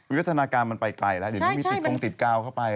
วิวัฒนากรรม่ายเดี๋ยวติดเกาเข้าไป